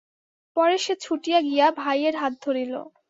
পরে সে ছুটিয়া গিয়া ভাইয়ের হাত ধরিল।